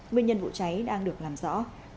nguyên nhân vụ cháy đang được làm rõ